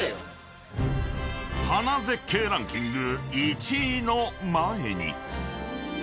［花絶景ランキング１位の前に］